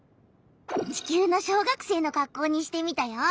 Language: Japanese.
地球の小学生のかっこうにしてみたよ。